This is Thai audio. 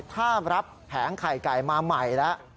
ถ้ารับแผงไข่ไก่มาใหม่แล้ว